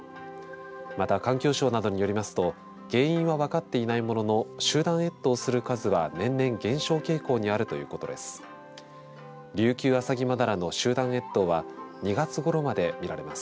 また、環境省などによりますと原因は分かっていないものの集団越冬する数は年々減少傾向にあるということです。